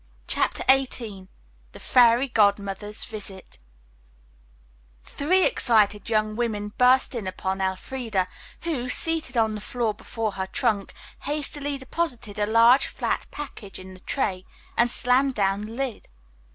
CHAPTER XVIII THE FAIRY GODMOTHER'S VISIT Three excited young women burst in upon Elfreda, who, seated on the floor before her trunk, hastily deposited a large flat package in the tray and slammed down the lid.